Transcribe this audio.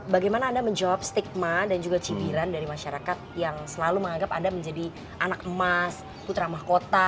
bagaimana anda menjawab stigma dan juga cibiran dari masyarakat yang selalu menganggap anda menjadi anak emas putra mahkota